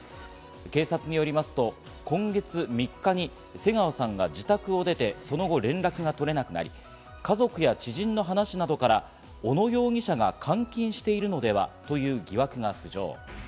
警察によりますと、今月３日に瀬川さんが自宅を出て、その後、連絡が取れなくなり、家族や知人の話などから小野容疑者が監禁しているのでは？という疑惑が浮上。